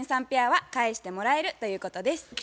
ペアは「返してもらえる」ということです。